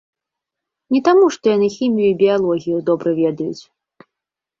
Не таму, што яны хімію і біялогію добра ведаюць.